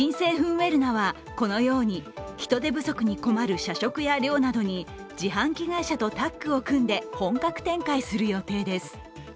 ウェルナは、このように人手不足に困る社食や寮などに自販機会社とタッグを組んで、本格展開する予定です。